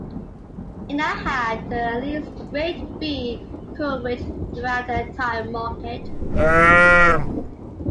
It now had at least Grade B coverage throughout the entire market.